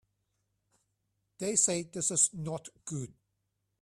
They say this is not good.